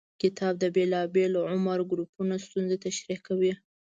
کتاب د بېلابېلو عمر ګروپونو ستونزې تشریح کوي.